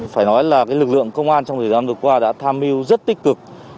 phải nói là lực lượng công an trong thời gian vừa qua đã tham mưu rất tích cực